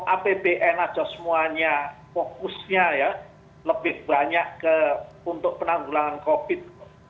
apbn aja semuanya fokusnya ya lebih banyak untuk penanggulangan covid